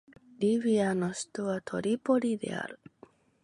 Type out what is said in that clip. リビアの首都はトリポリである